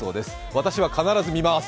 私は必ず見ます！